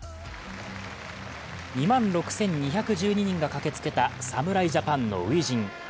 ２万６２１２人が駆けつけた侍ジャパンの初陣。